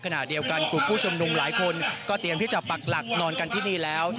ขณะเดียวกันกลุ่มผู้ชมนุมหลายคนก็เตรียมที่จะปักหลักนอนกันที่นี่แล้ว